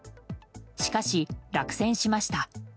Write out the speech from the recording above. しかし、落選しました。